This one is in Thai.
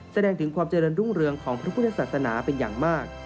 แสดงถึงความเจริญรุ่งเรืองของพระพุทธศาสนาเป็นอย่างมาก